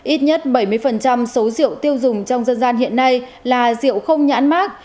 ít nhất bảy mươi số diệu tiêu dùng trong dân gian hiện nay là diệu không nhãn mát